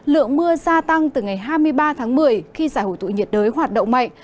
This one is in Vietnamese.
lượng mưa gia tăng từ ngày hai mươi ba tháng một mươi khi giải hội tụ nhiệt đới hoạt động mạnh